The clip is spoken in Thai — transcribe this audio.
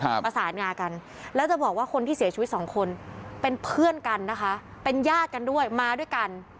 ประสานงากันแล้วจะบอกว่าคนที่เสียชีวิตสองคนเป็นเพื่อนกันนะคะเป็นญาติกันด้วยมาด้วยกัน